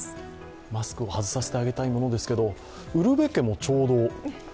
マスクを外させてあげたいものですけどウルヴェ家もちょうど？